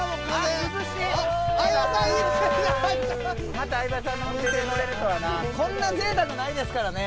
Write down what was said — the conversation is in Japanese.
また相葉さんの運転乗れるとはな。こんなぜいたくないですからね。